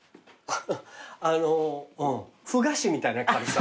あのふ菓子みたいな軽さ。